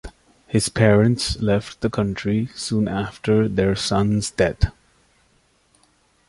His parents left the country soon after their son's death.